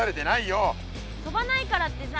飛ばないからってさ。